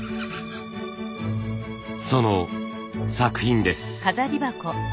その作品です。